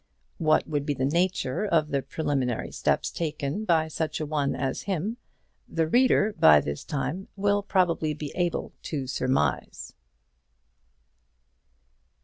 What would be the nature of the preliminary steps taken by such a one as him, the reader by this time will probably be able to surmise.